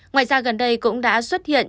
ngoài ra gần đây cũng đã xuất hiện